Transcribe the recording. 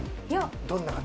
どんな方？